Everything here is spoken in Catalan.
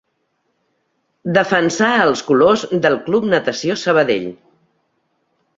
Defensà els colors del Club Natació Sabadell.